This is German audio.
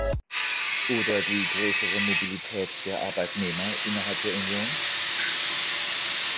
Oder die größere Mobilität der Arbeitnehmer innerhalb der Union?